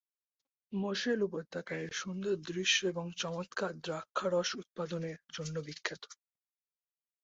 Mosel উপত্যকা এর সুন্দর দৃশ্য এবং চমৎকার দ্রাক্ষারস উৎপাদনের জন্য বিখ্যাত।